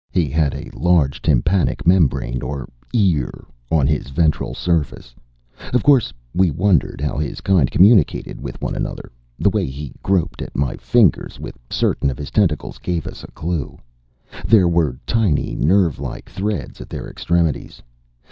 He had a large tympanic membrane or "ear" on his ventral surface. Of course we wondered how his kind communicated with one another. The way he groped at my fingers with certain of his tentacles gave us a clue. There were tiny, nerve like threads at their extremities.